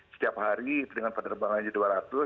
setiap hari dengan penerbangannya dua ratus